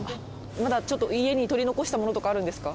まだちょっと家に取り残したものとかあるんですか？